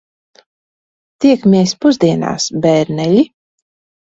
Tiekamies pusdienās, bērneļi.